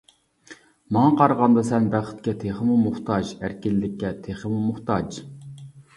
ماڭا قارىغاندا سەن بەختكە تېخىمۇ موھتاج، ئەركىنلىككە تېخىمۇ موھتاج.